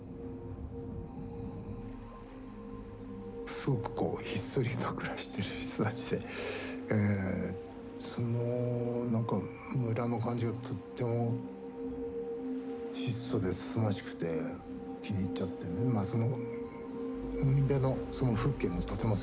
すごくひっそりと暮らしてる人たちでその何か村の感じがとっても質素でつつましくて気に入っちゃってねまあその海辺のその風景もとてもすばらしかったんですけど。